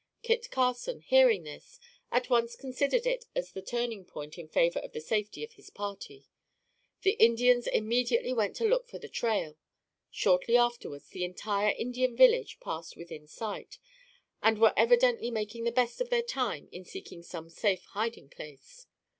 Kit Carson hearing this, at once considered it as the turning point in favor of the safety of his party. The Indians immediately went to look for the trail. Shortly afterwards the entire Indian village passed within sight, and were evidently making the best of their time in seeking some safe hiding place.